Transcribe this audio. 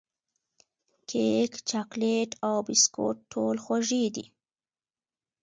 کیک، چاکلېټ او بسکوټ ټول خوږې دي.